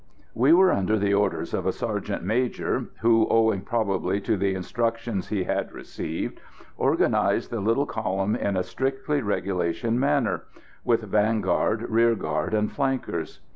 We were under the orders of a sergeant major, who, owing probably to the instructions he had received, organised the little column in a strictly regulation manner: with vanguard, rear guard and flankers.